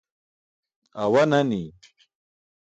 Awa nani.